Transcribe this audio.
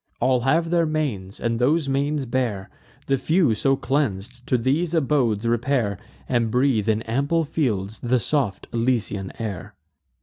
All have their manes, and those manes bear: The few, so cleans'd, to these abodes repair, And breathe, in ample fields, the soft Elysian air.